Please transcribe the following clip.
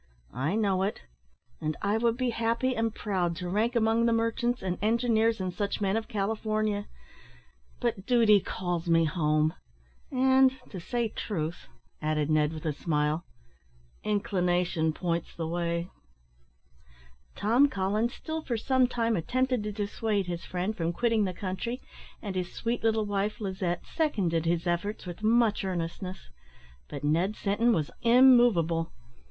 "I know it; and I would be happy and proud to rank among the merchants, and engineers, and such men, of California; but duty calls me home, and, to say truth," added Ned, with a smile, "inclination points the way." Tom Collins still for some time attempted to dissuade his friend from quitting the country, and his sweet little wife, Lizette, seconded his efforts with much earnestness; but Ned Sinton was immovable.